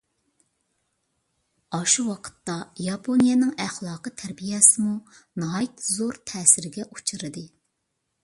ئاشۇ ۋاقىتتا ياپونىيەنىڭ ئەخلاقىي تەربىيەسىمۇ ناھايىتى زور تەسىرگە ئۇچرىدى.